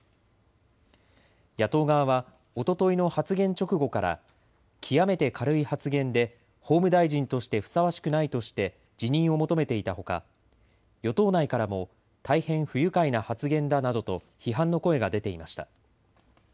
野党側はおとといの発言直後から極めて軽い発言で法務大臣としてふさわしくないとして辞任を求めていたほか、与党内からも大変不愉快な発言だなどと批判の声が出ていました。